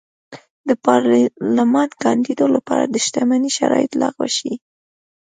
د پارلمان کاندېدو لپاره د شتمنۍ شرایط لغوه شي.